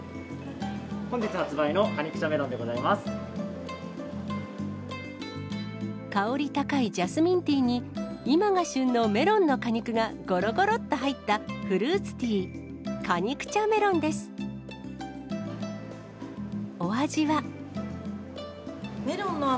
本日発売の果肉茶メロンでご香り高いジャスミンティーに、今が旬のメロンの果肉がごろごろっと入ったフルーツティー、果肉茶メロンです。